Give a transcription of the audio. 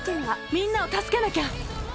みんなを助けなきゃ。